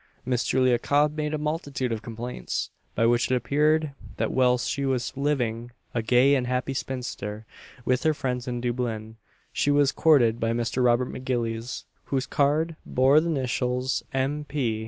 Miss Julia Cob made a multitude of complaints, by which it appeared that whilst she was living, a gay and happy spinster, with her friends in Dublin, she was courted by Mr. Robert M'Gillies, whose card bore the initials "M. P."